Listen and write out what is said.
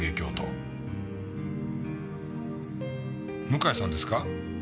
向井さんですか？